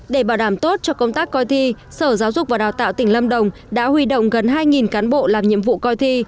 để bảo đảm tốt cho công tác coi thi sở giáo dục và đào tạo tỉnh lâm đồng đã huy động gần hai cán bộ làm nhiệm vụ coi thi